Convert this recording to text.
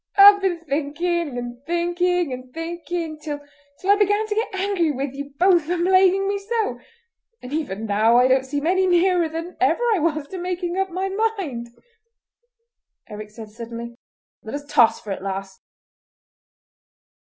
I've been thinking and thinking and thinking, till I began to get angry with you both for plaguing me so; and even now I don't seem any nearer than ever I was to making up my mind." Eric said suddenly: "Let us toss for it, lass!"